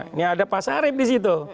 ini ada pak sarip disitu